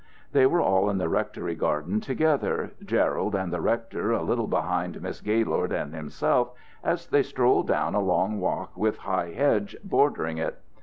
They were all in the rectory garden together, Gerald and the rector a little behind Miss Gaylord and himself, as they strolled down a long walk with high hedges bordering it.